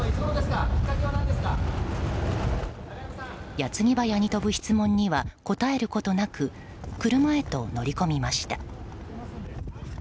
矢継ぎ早に飛ぶ質問には答えることなく車へと乗り込みました。